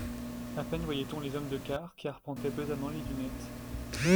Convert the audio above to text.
À peine voyait-on les hommes de quart qui arpentaient pesamment les dunettes.